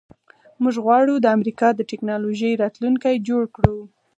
موږ غواړو د امریکا د ټیکنالوژۍ راتلونکی جوړ کړو